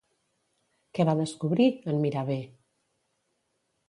Què va descobrir, en mirar bé?